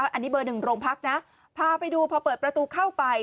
อันนี้เบอร์หนึ่งโรงพักนะพาไปดูพอเปิดประตูเข้าไป